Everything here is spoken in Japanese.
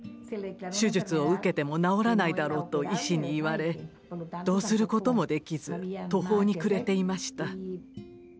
手術を受けても治らないだろうと医師に言われどうすることもできず途方に暮れていました。